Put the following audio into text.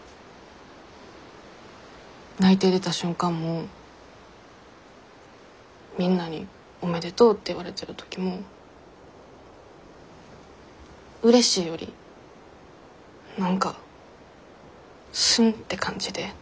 内定出た瞬間もみんなにおめでとうって言われてる時もうれしいより何かすんって感じで。